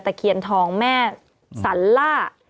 ตะเคียนทองแม่สันล่า